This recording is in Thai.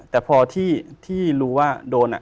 แต่พอที่รู้ว่าโดน